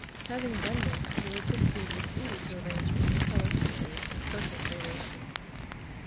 Having done this, he would proceed with ease to arrange each colour series in perfect gradation.